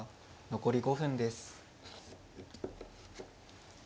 残り５分です。